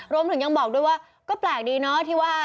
รวมถึงยังบอกด้วยว่าก็แปลกดีเนาะที่ว่า